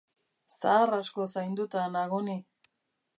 Zahar asko zainduta nago ni.